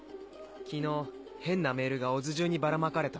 昨日変なメールがＯＺ中にばらまかれた。